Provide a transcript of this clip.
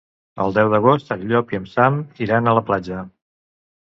El deu d'agost en Llop i en Sam iran a la platja.